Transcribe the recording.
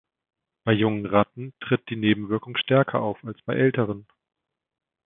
Bei jungen Ratten tritt die Nebenwirkung stärker auf als bei älteren.